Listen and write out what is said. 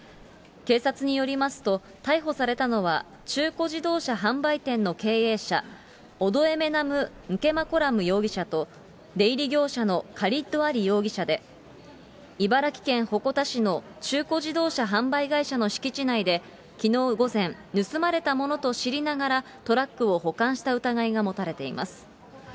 警察によりますと、逮捕されたのは中古自動車販売店の経営者、オドエメナム・ンケマコラム容疑者と出入り業者のカリッド・アリ容疑者で、茨城県鉾田市の中古自動車販売会社の敷地内できのう午前、盗まれたものと知りながら、トラックを保管した疑いが持たれています。